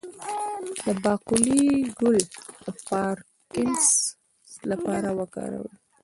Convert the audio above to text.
د باقلي ګل د پارکنسن لپاره وکاروئ